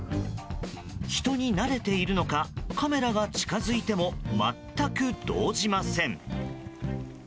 人に慣れているのかカメラが近づいても全く動じません。